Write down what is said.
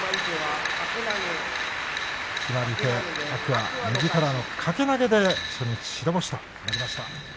決まり手は天空海右からの掛け投げで初日白星となりました。